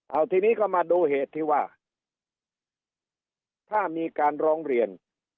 เอาทีนี้ก็มาดูเหตุที่ว่าถ้ามีการร้องเรียน